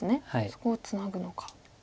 そこをツナぐのか。